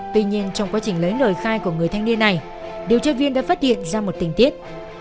tuy nhiên trong quá trình lấy lời khai của người thanh niên này điều tra viên đã phát hiện ra một tình tiết